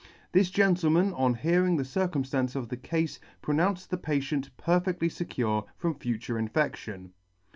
This gentleman, on hearing the circumflance of the cafe, pronounced the patient perfectly fecure from future infection.